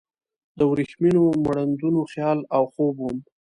د وریښمینو مړوندونو خیال او خوب وم